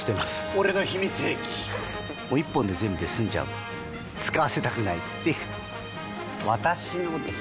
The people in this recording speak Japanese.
俺の秘密兵器１本で全部済んじゃう使わせたくないっていう私のです！